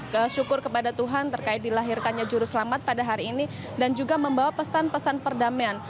kesyukur kepada tuhan terkait dilahirkannya juru selamat pada hari ini dan juga membawa pesan pesan perdamaian